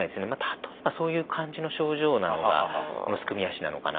例えばそういう感じの症状なのがこのすくみ足なのかなというふうに。